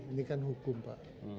ini kan hukum pak